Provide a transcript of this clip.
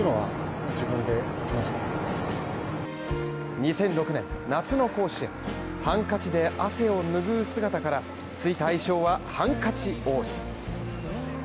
２００６年夏の甲子園ハンカチで汗をぬぐう姿から、ついた愛称は、ハンカチ王子です。